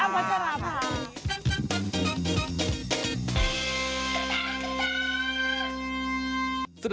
อยากเป็นอัพวัฒนาภา